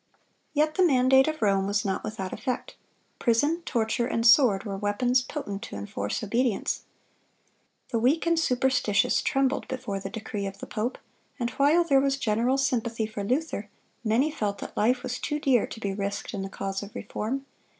(192) Yet the mandate of Rome was not without effect. Prison, torture, and sword were weapons potent to enforce obedience. The weak and superstitious trembled before the decree of the pope; and while there was general sympathy for Luther, many felt that life was too dear to be risked in the cause of reform.